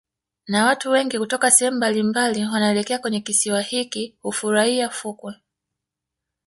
Na watu wengi kutoka sehemu mbalimbali wanaelekea kwenye kisiwa hiki hufurahia fukwe